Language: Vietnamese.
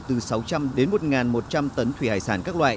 từ sáu trăm linh đến một một trăm linh tấn thủy hải sản các loại